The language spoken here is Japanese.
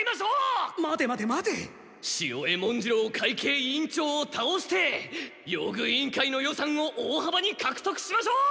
潮江文次郎会計委員長をたおして用具委員会の予算を大はばにかくとくしましょう！